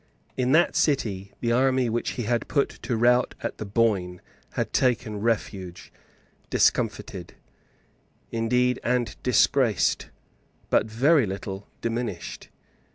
In that city the army which he had put to rout at the Boyne had taken refuge, discomfited, indeed, and disgraced, but very little diminished.